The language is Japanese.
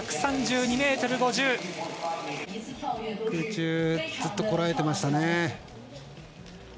空中ずっとこらえてましたね。